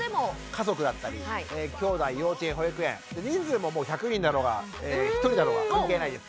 家族だったりきょうだい幼稚園保育園人数ももう１００人だろうが１人だろうが関係ないです。